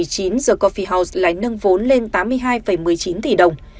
the coffee house lại nâng vốn lên tám mươi hai một mươi chín tỷ đồng